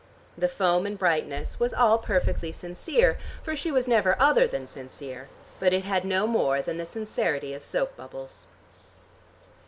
The foam and brightness was all perfectly sincere, for she was never other than sincere, but it had no more than the sincerity of soap bubbles.